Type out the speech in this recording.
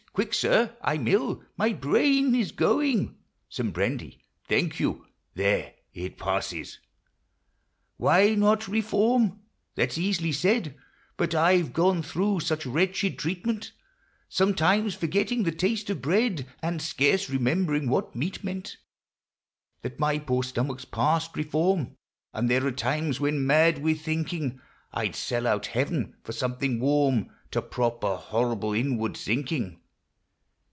— Quick, sir ! I 'm ill, — my brain is going ! Some brandy, — thank you, — there !— it passes ! Why not reform ? That 's easily said, But I' ve gone through such wretched treatment, Sometimes forgetting the taste of bread, And scarce remembering what meat meant, That my poor stomach 's past reform ; And there are times when, mad with thinking, I 'd sell out heaven for something warm To prop a horrible inward sinking.